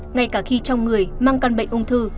ngay cả khi trong người mang căn bệnh ung thư